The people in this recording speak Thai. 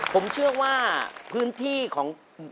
ผมเชื่อว่าพื้นที่ของ